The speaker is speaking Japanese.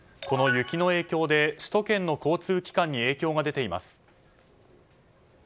この雪の影響で首都圏の交通機関に影響が出ています。